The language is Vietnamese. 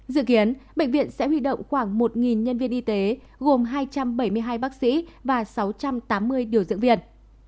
dự kiến bệnh viện sẽ huy động khoảng một nhân viên y tế gồm hai trăm bảy mươi hai bác sĩ và sáu trăm tám mươi điều dưỡng viên